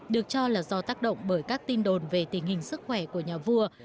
được cho là do tác động bởi các tin đồn về tình hình sức khỏe của nhà vua